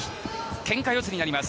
けんか四つになります。